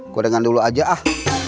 gue dengan dulu aja ah